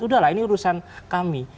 sudah lah ini urusan kami